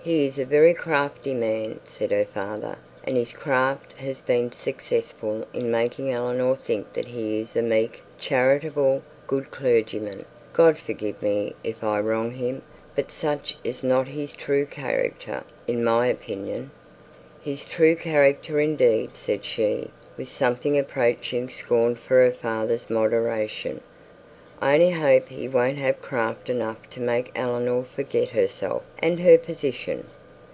'He is a very crafty man,' said her father, 'and his craft has been successful in making Eleanor think that he is a meek, charitable, good clergyman. God forgive me, if I wrong him, but such is not his true character in my opinion.' 'His true character, indeed!' said she, with something approaching scorn for her father's moderation. 'I only hope he won't have craft enough to make Eleanor forget herself and her position.'